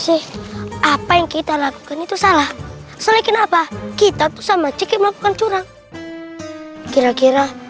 sih apa yang kita lakukan itu salah soalnya kenapa kita tuh sama cike melakukan curang kira kira